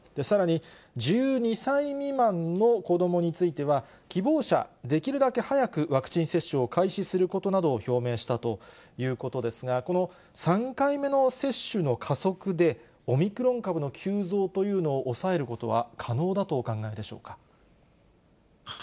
さらに１２歳未満の子どもについては、希望者、できるだけ早くワクチン接種を開始することなどを表明したということですが、この３回目の接種の加速で、オミクロン株の急増というのを抑えることは可能だとお考えでしょうか。